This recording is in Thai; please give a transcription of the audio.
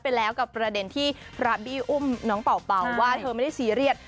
ไปแล้วกับประเด็นที่พระบี้อุ้มน้องเป่าว่าเธอไม่ได้ซีเรียส